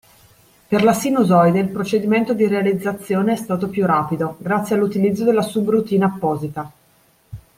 Per la sinusoide il procedimento di realizzazione è stato più rapido grazie all’utilizzo della sub-routine apposita.